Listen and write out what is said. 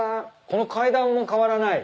この階段も変わらない？